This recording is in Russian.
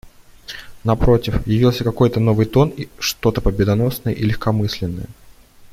Напротив, явился какой-то новый тон, что-то победоносное и легкомысленное.